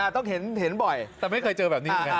ต้องเห็นบ่อยแต่ไม่เคยเจอแบบนี้